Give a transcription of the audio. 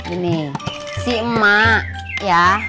ini si emak ya